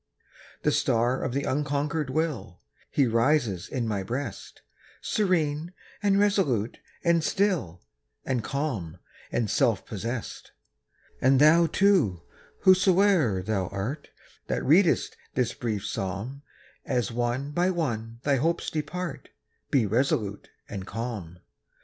The star of the unconquered will, He rises in my breast, Serene, and resolute, and still, And calm, and self possessed. And thou, too, whosoe'er thou art, That readest this brief psalm, As one by one thy hopes depart, Be resolute and calm.